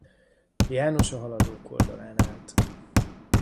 János a haladók oldalán állt.